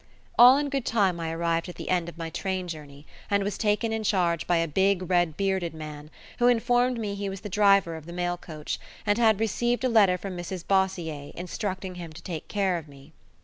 All in good time I arrived at the end of my train journey, and was taken in charge by a big red bearded man, who informed me he was the driver of the mail coach, and had received a letter from Mrs Bossier instructing him to take care of me.